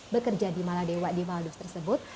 bekerja di maladewa di maldus tersebut